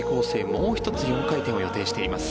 もう１つ、４回転を予定しています。